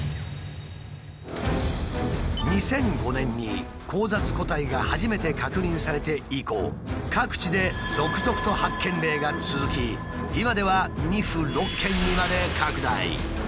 ２００５年に交雑個体が初めて確認されて以降各地で続々と発見例が続き今では２府６県にまで拡大。